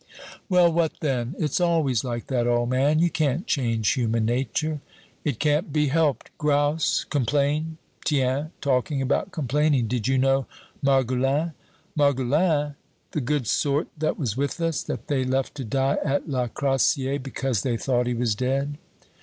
"Well, what then? It's always like that, old man; you can't change human nature." "It can't be helped. Grouse, complain? Tiens! talking about complaining, did you know Margoulin?" "Margoulin? The good sort that was with us, that they left to die at le Crassier because they thought he was dead?"